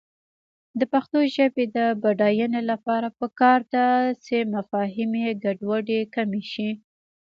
د پښتو ژبې د بډاینې لپاره پکار ده چې مفاهمې ګډوډي کمې شي.